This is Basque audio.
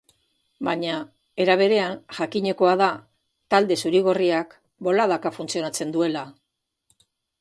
Baina, era berean, jakinekoa da talde zuri-gorriak boladaka funtzionatzen duela.